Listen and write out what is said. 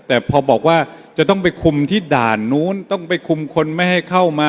แต่พอบอกว่าจะต้องไปคุมที่ด่านนู้นต้องไปคุมคนไม่ให้เข้ามา